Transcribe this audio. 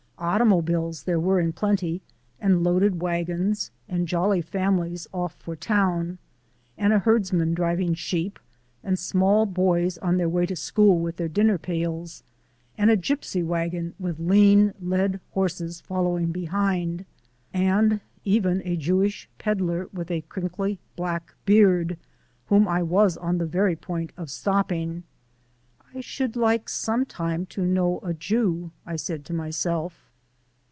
Automobiles there were in plenty, and loaded wagons, and jolly families off for town, and a herdsman driving sheep, and small boys on their way to school with their dinner pails, and a gypsy wagon with lean, led horses following behind, and even a Jewish peddler with a crinkly black beard, whom I was on the very point of stopping. "I should like sometime to know a Jew," I said to myself.